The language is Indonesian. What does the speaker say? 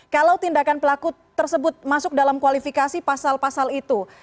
kalau tindakan pelaku tersebut masuk dalam kualifikasi pasal pasal itu